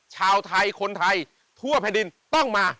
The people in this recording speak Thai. ชาวไทยคนไทยทั่วแผ่นดินต้องมา